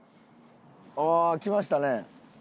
ああー来ましたね。